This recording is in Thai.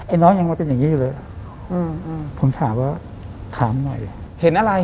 ไอ้น้องยังไว้เป็นอย่างงี้ผมค้ามหน่อย